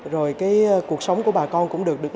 rồi cuộc sống của bà con cũng được tạo ra